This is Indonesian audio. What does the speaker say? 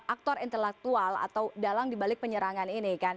aktor intelektual atau dalang dibalik penyerangan ini kan